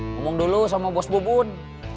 ngomong dulu sama bos bu bun